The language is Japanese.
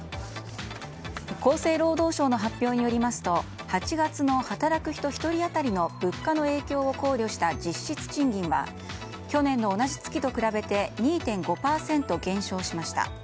厚生労働省の発表によりますと８月の働く人１人当たりの物価の影響を考慮した実質賃金は去年の同じ月と比べて２．５％減少しました。